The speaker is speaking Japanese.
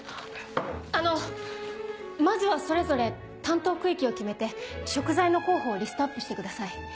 あのまずはそれぞれ担当区域を決めて食材の候補をリストアップしてください。